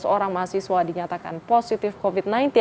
tujuh belas orang mahasiswa dinyatakan positif covid sembilan belas